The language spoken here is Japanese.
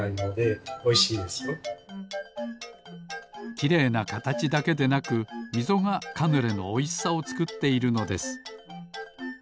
きれいなかたちだけでなくみぞがカヌレのおいしさをつくっているのです